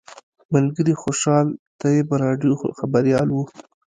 ملګري خوشحال طیب راډیو خبریال و.